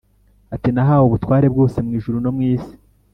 ati “Nahawe ubutware bwose mu ijuru no mu isi.